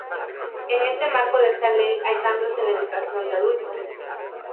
En este marco de esta Ley, hay cambios en la Educación de Adultos.